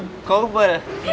lucu banget ya